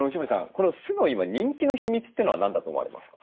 この酢の今人気の秘密ってのは何だと思われますか？